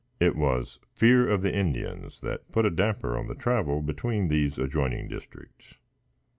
It was fear of the Indians that put a damper on the travel between these adjoining districts.